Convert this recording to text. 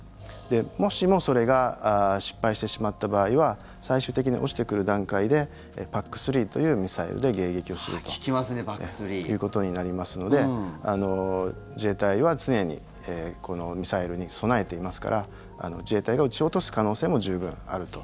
もしもそれが失敗してしまった場合は最終的に落ちてくる段階でＰＡＣ３というミサイルで迎撃をするということになりますので自衛隊は常にこのミサイルに備えていますから自衛隊が撃ち落とす可能性も十分あると。